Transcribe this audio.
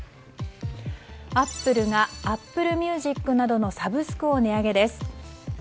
アップルがアップルミュージックなどのサブスクを値上げです。